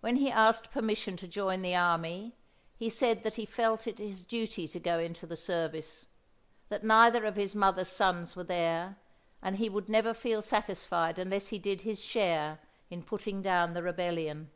When he asked permission to join the army he said that he felt it his duty to go into the service; that neither of his mother's sons were there, and he would never feel satisfied unless he did his share in putting down the rebellion.